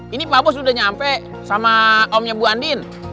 ini pak bos udah nyampe sama omnya bu andin